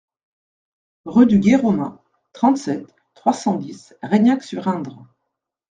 Rue du Gué Romain, trente-sept, trois cent dix Reignac-sur-Indre